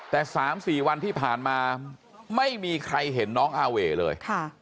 แต่๓๔วันที่ผ่านมาไม่มีใครเห็นน้องอาเว่เลย